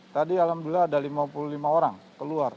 tadi alhamdulillah ada lima puluh lima orang keluar